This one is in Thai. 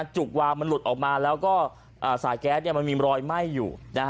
จุกวางมันหลุดออกมาแล้วก็สายแก๊สมันมีรอยไหม้อยู่